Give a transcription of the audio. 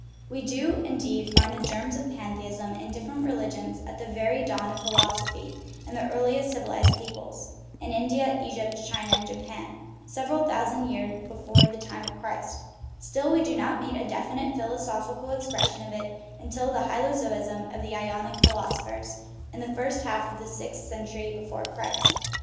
We do, indeed, find the germs of pantheism in different religions at the very dawn of philosophy in the earliest civilized peoples (in India, Egypt, China, and Japan), several thousand years be fore the time of Christ ; still, we do not meet a definite philosophical expression of it until the hylozoism of the Ionic philosophers, in the first half of the sixth cen tury before Christ.